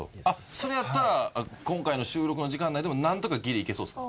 それやったら今回の収録の時間内でもなんとかギリいけそうですか。